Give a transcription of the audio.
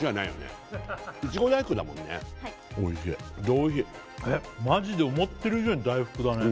はいマジで思ってる以上に大福だね